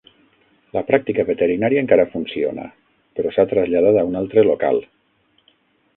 La pràctica veterinària encara funciona, però s'ha traslladat a un altre local.